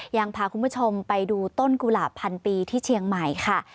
ยังพาคุณผู้ชมไปดูต้นกุหลาบพันปีที่เชียงใหม่ค่ะ